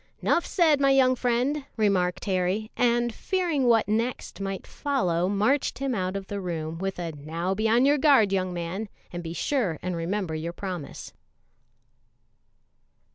"'Nough said, my young friend," remarked Harry, and fearing what next might follow, marched him out of the room with a "Now be on your guard, young man, and be sure and remember your promise."